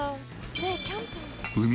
ねえキャンプ。